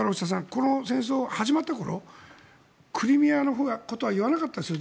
この戦争が始まった頃クリミアのことは言わなかったんです